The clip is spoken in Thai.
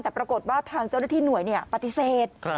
แต่ปรากฏว่าทางเจ้าหน้าที่หน่วยปฏิเสธ